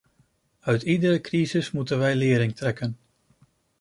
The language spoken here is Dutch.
Uit iedere crisis moeten wij lering trekken.